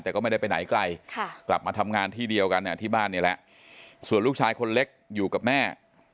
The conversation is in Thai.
แต่ก็ไม่ได้ไปไหนไกลกลับมาทำงานที่เดียวกันที่บ้านนี่แหละส่วนลูกชายคนเล็กอยู่กับแม่